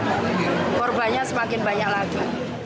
korbannya semakin banyak lagi